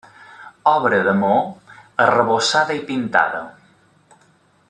Obra de maó arrebossada i pintada.